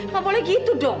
gak boleh gitu dong